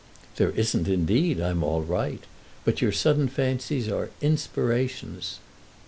"There isn't, indeed; I'm all right. But your sudden fancies are inspirations."